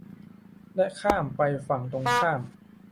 และข้ามไปฝั่งตรงข้าม